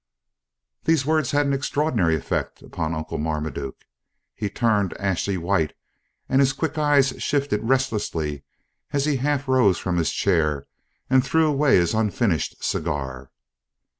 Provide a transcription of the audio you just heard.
These words had an extraordinary effect upon Uncle Marmaduke; he turned ashy white, and his quick eyes shifted restlessly as he half rose from his chair and threw away his unfinished cigar.